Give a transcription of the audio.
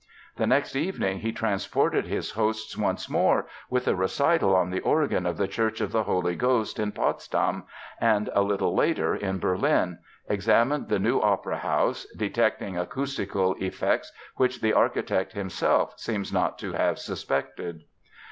The next evening he transported his hosts once more with a recital on the organ of the Church of the Holy Ghost in Potsdam and a little later, in Berlin, examined the new opera house, detecting acoustical effects which the architect himself seems not to have suspected.